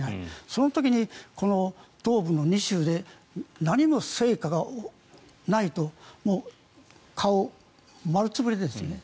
その時に東部の２州で何も成果がないと顔、丸潰れですよね。